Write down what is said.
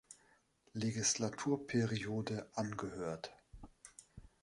Legislaturperiode angehört.